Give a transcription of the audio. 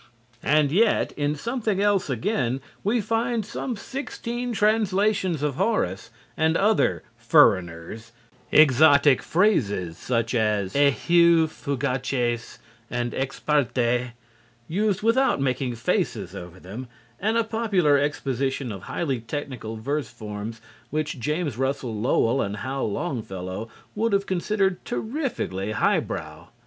And yet in "Something Else Again" we find some sixteen translations of Horace and other "furriners," exotic phrases such as "eheu fugaces" and "ex parte" used without making faces over them, and a popular exposition of highly technical verse forms which James Russell Lowell and Hal Longfellow would have considered terrifically high brow.